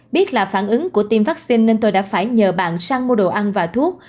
biết là phản ứng của tiêm vaccine nên tôi đã phải nhờ bạn sang mua đồ ăn và thuốc